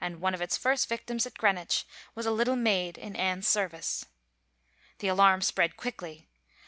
And one of its first victims at Greenwich was a little maid in Anne's service. The alarm spread quickly.